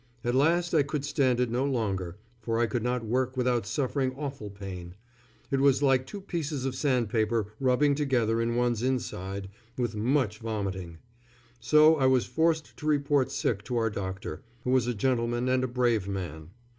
At last I could stand it no longer, for I could not work without suffering awful pain it was like two pieces of sandpaper rubbing together in one's inside, with much vomiting; so I was forced to report sick to our doctor, who was a gentleman and a brave man.